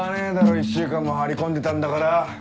１週間も張り込んでたんだから。